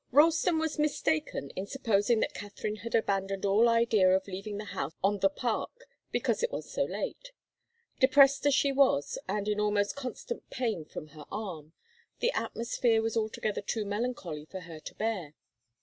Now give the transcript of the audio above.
Ralston was mistaken in supposing that Katharine had abandoned all idea of leaving the house on the Park because it was so late. Depressed as she was, and in almost constant pain from her arm, the atmosphere was altogether too melancholy for her to bear.